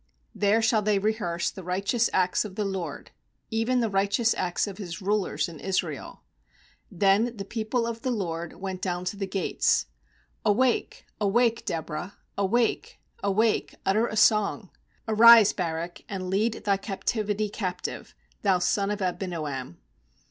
There shall they rehearse the right eous acts of the LORD, Even the righteous acts of His rulers in Israel. Then the people of the LORD went down to the gates. 12 A wake, awake, Deborah; Awake, awake, utter a song; Arise, Barak, and lead thy captivity captive, thou son of Abinoam.